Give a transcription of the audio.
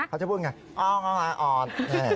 เขาจะพูดอย่างไรอ้องอ้องออน